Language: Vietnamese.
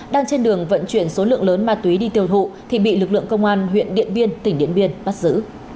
đang trên đường vận chuyển số lượng lớn ma túy đi tiêu thụ thì bị lực lượng công an huyện điện biên tỉnh điện biên bắt giữ